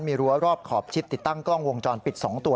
มีรั้วรอบขอบชิดติดตั้งกล้องวงจรปิด๒ตัว